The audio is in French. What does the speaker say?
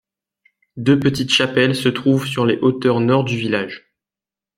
Deux petites chapelles se trouvent sur les hauteurs nord du village.